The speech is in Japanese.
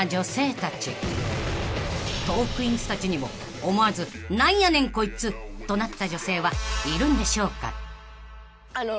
［トークィーンズたちにも思わずなんやねんコイツとなった女性はいるんでしょうか？］